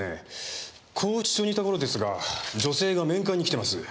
拘置所にいた頃ですが女性が面会に来てます。